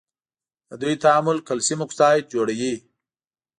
د دوی تعامل کلسیم اکساید جوړوي.